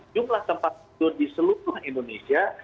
jumlah tempat tidur di seluruh indonesia